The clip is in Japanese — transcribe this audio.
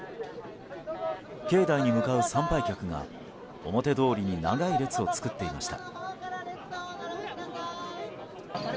境内に向かう参拝客が、表通りに長い列を作っていました。